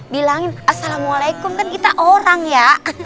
bilangin assalamualaikum kan kita orang ya